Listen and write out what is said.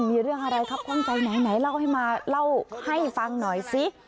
มีเรื่องอะไรครับข้องใจไหนเล่าให้มาเล่าให้ฟังหน่อยซิ